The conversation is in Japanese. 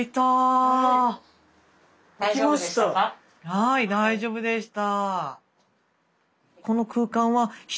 はい大丈夫でした。